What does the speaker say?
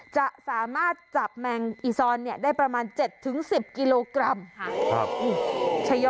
จะสามารถจับแมงอีซอนเนี่ยได้ประมาณเจ็ดถึงสิบกิโลกรัมครับอุ้ย